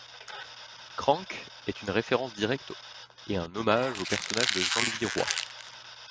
Krank est une référence directe et un hommage au personnage de Jean-Louis Roy.